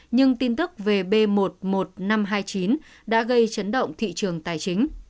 nhưng tin tức về b một mươi một nghìn năm trăm hai mươi chín đã gây chấn động thị trường tài chính